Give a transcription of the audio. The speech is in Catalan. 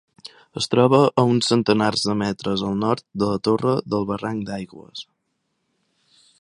Es troba a uns centenars de metres al nord de la torre del barranc d'Aigües.